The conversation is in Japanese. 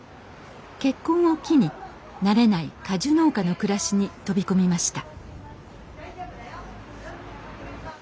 結婚を機に慣れない果樹農家の暮らしに飛び込みました。